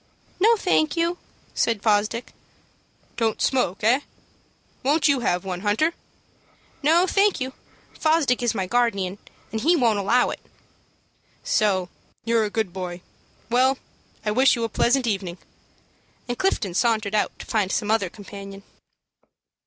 "No, thank you," said Fosdick. "Don't smoke, eh? Won't you have one, Hunter?" "No, thank you. Fosdick is my guardian, and he don't allow it." "So you're a good boy. Well, I wish you a pleasant evening," and Clifton sauntered out to find some other companion.